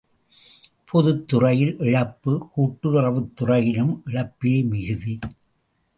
பொதுத்துறையில் இழப்பு கூட்டுறவுத் துறையிலும் இழப்பே மிகுதி.